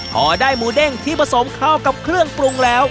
พอได้หมูเด้งที่ผสมเข้ากับเครื่องปรุงแล้ว